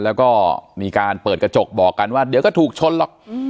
แล้วก็มีการเปิดกระจกบอกกันว่าเดี๋ยวก็ถูกชนหรอก